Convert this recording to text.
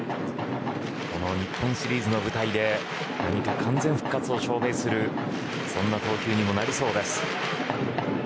この日本シリーズの舞台で完全復活を証明するそんな投球にもなりそうです。